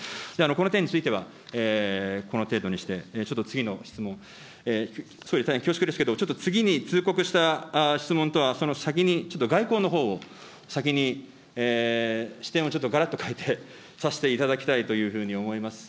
この点については、この程度にして、ちょっと次の質問、総理、大変恐縮ですけど、ちょっと次に通告した質問とはその先に、ちょっと外交のほうを、先に、視点をちょっとがらっと変えて、質問をさせていただきたいというふうに思います。